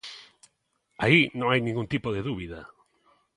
Aí non hai ningún tipo de dúbida.